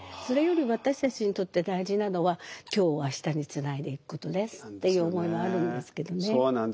それより私たちにとって大事なのは今日を明日につないでいくことですっていう思いもあるんですけどね。